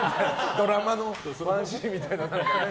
ドラマのワンシーンみたいなね。